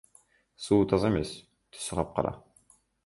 Суу таза эмес, түсү капкара.